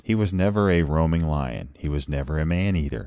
He was never a roaring lion. He was never a man eater.